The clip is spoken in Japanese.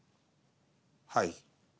「はい」。